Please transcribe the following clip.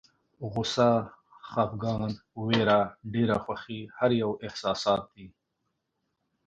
غوسه، خپګان، ویره، ډېره خوښي هر یو احساسات دي.